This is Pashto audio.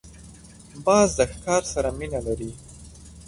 باز د ښکار سره مینه لري